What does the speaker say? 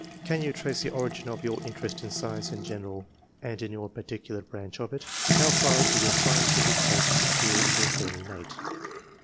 —" Can jaa tnoe tiie ori^ of your interest in adenee in goieial, and in yoor partdcnlar tomch of it ? How &t do your scientific tastes appeax to have been innate!"